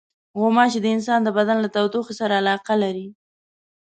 غوماشې د انسان د بدن له تودوخې سره علاقه لري.